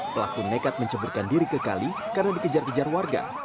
pelaku nekat menceburkan diri ke kali karena dikejar kejar warga